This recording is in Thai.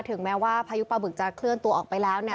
ถึงแม้ว่าพายุปลาบึกจะเคลื่อนตัวออกไปแล้ว